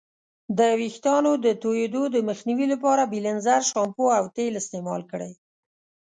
د ویښتانو د توییدو د مخنیوي لپاره بیلینزر شامپو او تیل استعمال کړئ.